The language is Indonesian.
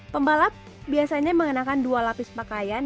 pembalap biasanya mengenakan dua lapis pakaian